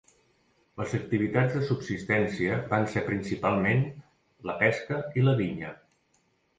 Les activitats de subsistència van ser principalment la pesca i la vinya.